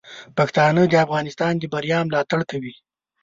پښتانه د افغانستان د بریا ملاتړ کوي.